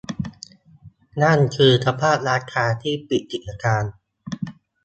นั่นคือสภาพร้านค้าที่ปิดกิจการ